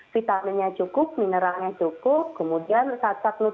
vitaminnya cukup mineralnya cukup kemudian sasar nutrisi yang lain cukup